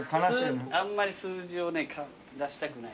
あんまり数字を出したくない。